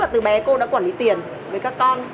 tức là từ bé cô đã quản lý tiền với các con